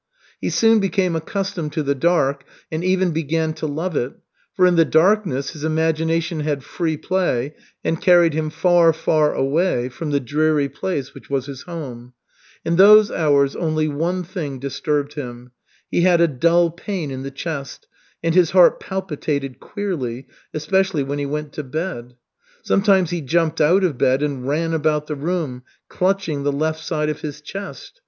He soon became accustomed to the dark and even began to love it, for in the darkness his imagination had free play and carried him far, far away from the dreary place which was his home. In those hours only one thing disturbed him. He had a dull pain in the chest and his heart palpitated queerly, especially when he went to bed. Sometimes he jumped out of bed and ran about the room, clutching the left side of his chest.